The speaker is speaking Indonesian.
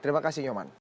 terima kasih nyoman